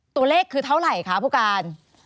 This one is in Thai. ตัวเลขคือเท่าไหร่คะผู้การ